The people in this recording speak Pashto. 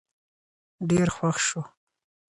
ډېر خوښ شو